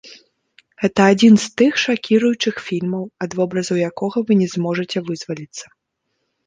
Гэта адзін з тых шакіруючых фільмаў, ад вобразаў якога вы не зможаце вызваліцца.